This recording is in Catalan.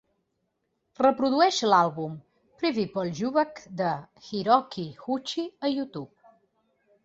Reprodueix l'àlbum Prvi Poljubac de Hiroki Uchi a YouTube.